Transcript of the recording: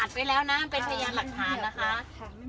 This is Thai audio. กลับมาเก็บบ้านนะแม่